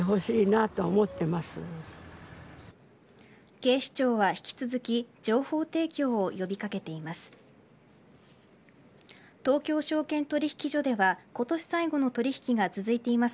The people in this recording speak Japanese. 警視庁は引き続き情報提供を呼び掛けています。